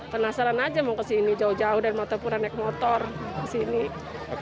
penasaran aja mau kesini jauh jauh dan mau tumpulnya naik motor kesini